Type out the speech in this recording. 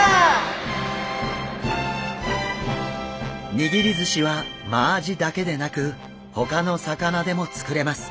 握り寿司はマアジだけでなくほかの魚でも作れます。